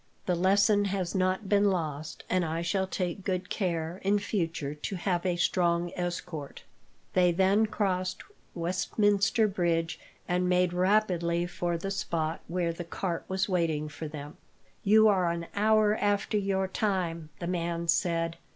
"The lesson has not been lost, and I shall take good care, in future, to have a strong escort." They then crossed Westminster Bridge, and made rapidly for the spot where the cart was waiting for them. "You are an hour after your time," the man said.